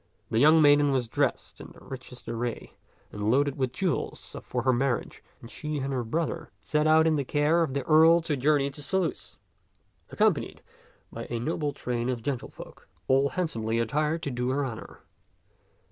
The young maiden was dressed in the richest array and loaded t^t CUx^'B tak 153 with jewels for her marriage, and she and her brother set out in the care of the Earl to journey to Saluces, accompanied by a noble train of gentlefolk, all hand somely attired to do her honor.